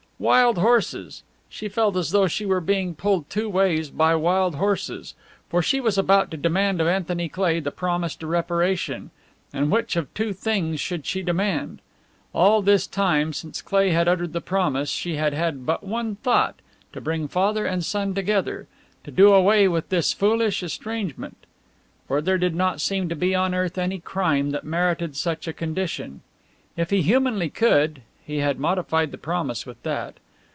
Wild horses! She felt as though she were being pulled two ways by wild horses! For she was about to demand of Anthony Cleigh the promised reparation. And which of two things should she demand? All this time, since Cleigh had uttered the promise, she had had but one thought to bring father and son together, to do away with this foolish estrangement. For there did not seem to be on earth any crime that merited such a condition. If he humanly could he had modified the promise with that.